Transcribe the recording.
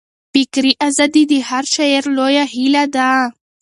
فکري ازادي د هر شاعر لویه هیله ده.